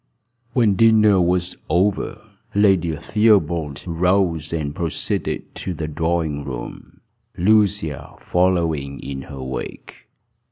When dinner was over, Lady Theobald rose, and proceeded to the drawing room, Lucia following in her wake.